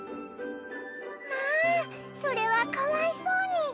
まあそれはかわいそうに。